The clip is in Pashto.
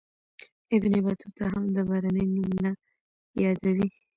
ابن بطوطه هم د برني نوم نه یادوي.